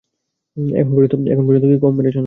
এখন পর্যন্ত কি কম মেরেছ নাকি?